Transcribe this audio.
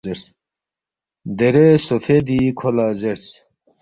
درے سوفیدی کھو لہ زیرس،